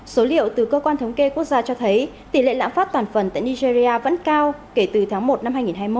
số liệu từ cơ quan thống kê quốc gia cho thấy tỷ lệ lãng phát toàn phần tại nigeria vẫn cao kể từ tháng một năm hai nghìn hai mươi một